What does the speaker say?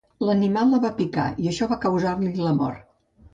L'animal la va picar i això va causar-li la mort.